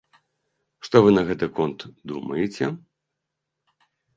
Што вы на гэты конт думаеце?